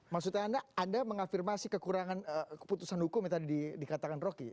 maksudnya anda mengafirmasi kekurangan keputusan hukum yang tadi dikatakan roky